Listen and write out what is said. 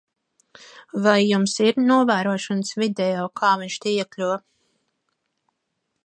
Vai jums ir novērošanas video, kā viņš te iekļuva?